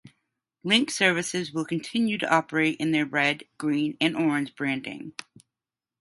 Link services will continue to operate in their red, green and orange branding.